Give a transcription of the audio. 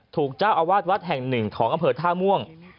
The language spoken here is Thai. ทูกเจ้าอวาสวัสดิ์แห่ง๑ของอำเภอท่าม่วง